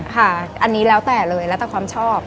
ค่ะอันนี้แล้วแต่เลยแล้วแต่ความชอบ